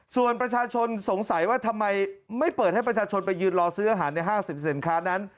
ส่วนประชาชนสงสัยว่าทำไมไม่เปิดให้ประชาชนไปยืนรอซื้ออาหารในห้างสรรพสินค้านั้น